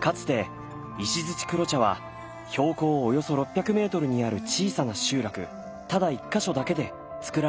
かつて石黒茶は標高およそ６００メートルにある小さな集落ただ１か所だけでつくられていました。